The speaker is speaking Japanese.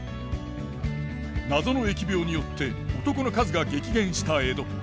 謎の疫病によって男の数が激減した江戸。